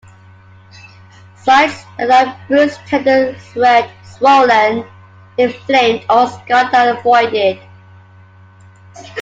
Sites that are bruised, tender, red, swollen, inflamed or scarred are avoided.